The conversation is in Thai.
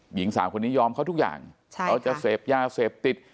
หญิงสาวคนนี้ยอมเขาทุกอย่างเขาจะเสพยาเสพติด